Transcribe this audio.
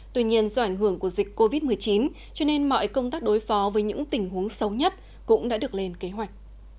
tuy nhiên do ảnh hưởng của dịch covid một mươi chín cho nên mọi công tác đối phó với những tình huống xấu nhất cũng đã được lên kế hoạch